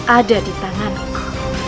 ada di tanganku